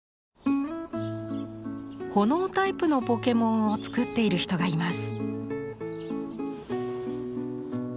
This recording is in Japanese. ほのおタイプのポケモンを作っている人がいます。